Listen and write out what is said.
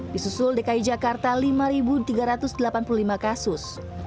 di susul dki jakarta lima tiga ratus delapan puluh lima kasus